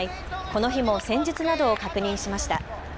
この日も戦術などを確認しました。